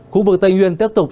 khu vực tây nguyên tiếp tục